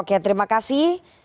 oke terima kasih